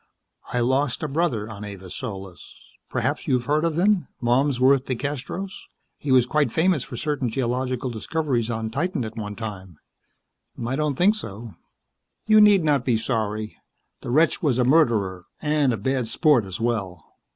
I lost a brother on Avis Solis. Perhaps you have heard of him. Malmsworth DeCastros. He was quite famous for certain geological discoveries on Titan at one time." "I don't think so." "You need not be sorry. The wretch was a murderer and a bad sport as well.